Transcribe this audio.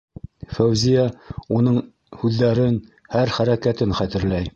Фәүзиә уның һүҙҙәрен, һәр хәрәкәтен хәтерләй.